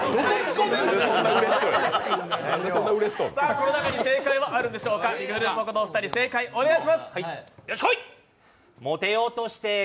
この中に正解はあるんでしょうかクールポコのお二人、正解お願いします。